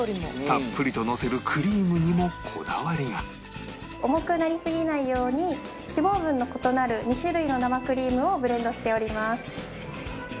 たっぷりとのせる重くなりすぎないように脂肪分の異なる２種類の生クリームをブレンドしております。